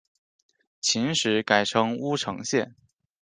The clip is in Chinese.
秦时改称乌程县。